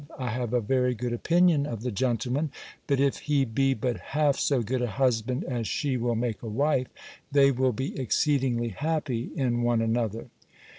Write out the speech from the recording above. I have a very good opinion of the gentleman; but if he be but half so good a husband as she will make a wife, they will be exceedingly happy in one another.